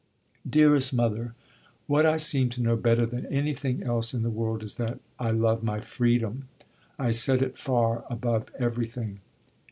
"Dearest mother, what I seem to know better than anything else in the world is that I love my freedom. I set it far above everything."